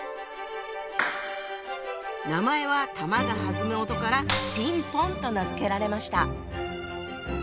名前は球が弾む音から「ピンポン」と名付けられました。